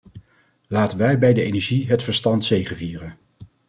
Laten wij bij de energie het verstand zegevieren.